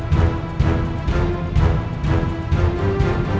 kau harus menolongku